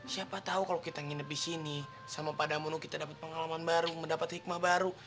siapa tau kalau kita nginep disini sama padamu kita dapat pengalaman baru mendapat hikmah baru